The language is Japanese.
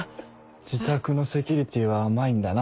自宅のセキュリティーは甘いんだな。